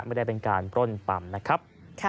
ไม่ได้เป็นการปล้นปั๊มนะครับ